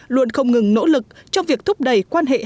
luôn không ngừng nỗ lực trong việc thúc đẩy đất nước việt nam